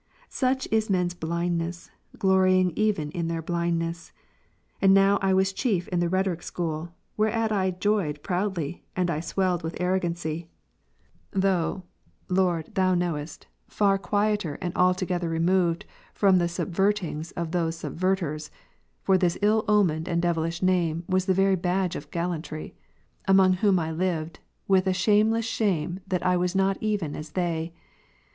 Such is men's blindness, glorying even in their blindness. And now I was chief in the rhetoric school, whereat I joyed proudly, and I swelled withari'ogancy, though (Lord, Thou knowest) far quieter and altogether 32 Philosophy made the beginnings of his conversion. CONF. removed from the subvertings of those " Subverters "" (for ^"'• this ill omened and devilish name, was the very badge of gallantry) among whom I lived, with a shameless shame that I was not even as they.